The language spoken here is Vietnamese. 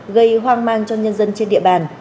gây hoang mang cho nhân dân trên địa bàn